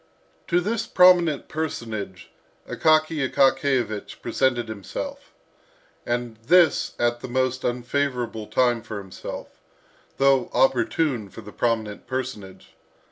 To this prominent personage Akaky Akakiyevich presented himself, and this at the most unfavourable time for himself, though opportune for the prominent personage.